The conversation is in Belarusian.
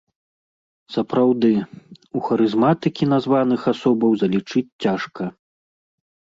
Сапраўды, у харызматыкі названых асобаў залічыць цяжка.